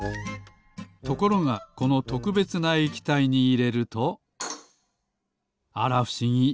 ところがこのとくべつな液体にいれるとあらふしぎ。